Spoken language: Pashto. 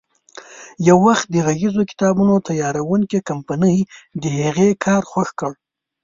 یو وخت د غږیزو کتابونو تیاروونکې کمپنۍ د هغې کار خوښ کړ.